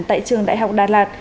tại trường đại học đà lạt